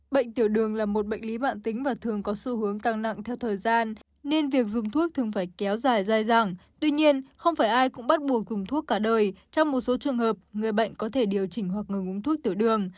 bệnh tiểu đường là một bệnh lý vạn tính và thường có xu hướng tăng nặng theo thời gian nên việc dùng thuốc thường phải kéo dài dài dẳng tuy nhiên không phải ai cũng bắt buộc cùng thuốc cả đời trong một số trường hợp người bệnh có thể điều chỉnh hoặc ngừng uống thuốc tiểu đường